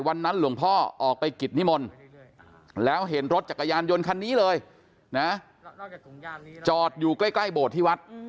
หลวงพ่อออกไปกิจนิมนต์แล้วเห็นรถจักรยานยนต์คันนี้เลยนะจอดอยู่ใกล้โบสถ์ที่วัด